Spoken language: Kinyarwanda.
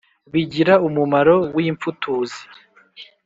bigira umumaro wi mfutuzi.